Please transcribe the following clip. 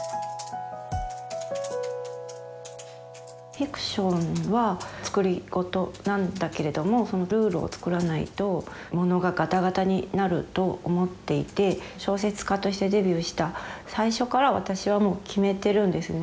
フィクションは作り事なんだけれどもそのルールを作らないとものがガタガタになると思っていて小説家としてデビューした最初から私はもう決めてるんですね